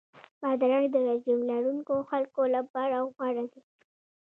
بادرنګ د رژیم لرونکو خلکو لپاره غوره دی.